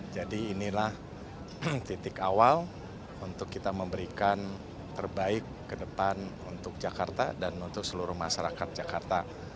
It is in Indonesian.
jadi inilah titik awal untuk kita memberikan terbaik ke depan untuk jakarta dan untuk seluruh masyarakat jakarta